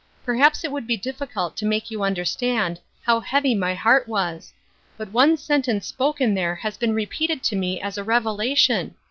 Perhaps it would be difficult to make you understand how heavy my heart was; but one sentence spoken there has been repeated to me as a revelation